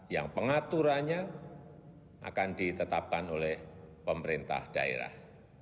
yang pengaturannya akan ditetapkan oleh pemerintah daerah